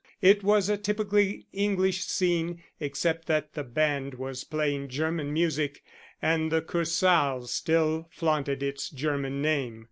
It was a typically English scene, except that the band was playing German music and the Kursaal still flaunted its German name.